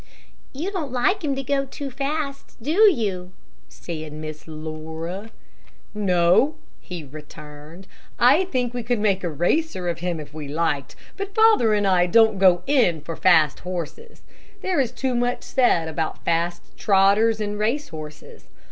"You don't like him to go too fast, do you?" said Miss Laura. "No," he returned. "I think we could make a racer of him if we liked, but father and I don't go in for fast horses. There is too much said about fast trotters and race horses.